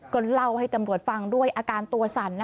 ก็เล่าให้ตำรวจฟังด้วยอาการตัวสั่น